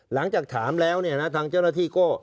หลังจากถามแล้วเนี่ยนะทางเจ้าหน้าที่ก็